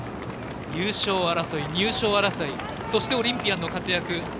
優勝争い、入賞争いそして、オリンピアンの活躍。